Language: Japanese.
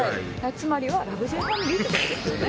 つまりは『ラブＪ』ファミリーって事ですよね。